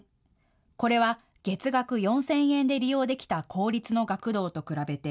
これは月額４０００円で利用できた公立の学童と比べて